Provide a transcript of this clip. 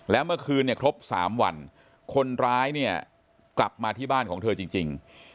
แล้วเมื่อคืนเนี่ยครบ๓วันคนร้ายเนี่ยกลับมาที่บ้านของเธอจริง